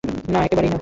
না, একেবারেই না।